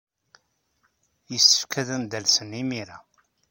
Yessefk ad am-d-alsen imir-a.